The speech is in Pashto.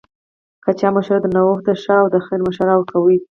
که چا مشوره درنه غوښته، ښه او د خیر مشوره ورکوئ